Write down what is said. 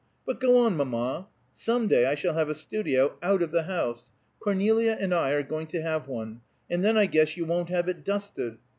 But, go on, mamma! Some day I shall have a studio out of the house Cornelia and I are going to have one and then I guess you won't have it dusted!"